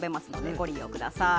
ご利用ください。